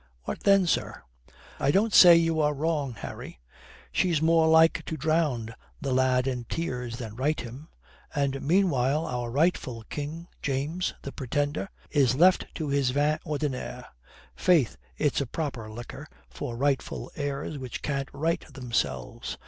What then, sir?" "I don't say you are wrong, Harry. She's more like to drown the lad in tears than right him. And meanwhile our rightful king, James the Pretender, is left to his vin ordinaire. Faith, it's a proper liquor, for rightful heirs which can't right themselves.